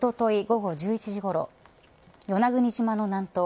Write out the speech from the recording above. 午後１１時ごろ与那国島の南東